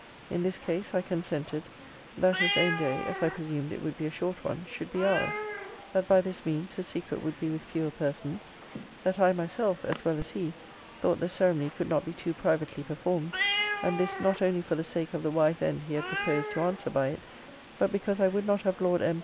In this case, I consented, that his own day, as I presumed it would be a short one, should be ours: that by this means the secret would be with fewer persons: that I myself, as well as he, thought the ceremony could not be too privately performed; and this not only for the sake of the wise end he had proposed to answer by it, but because I would not have Lord M.